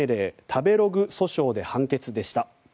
食べログ訴訟で判決でした。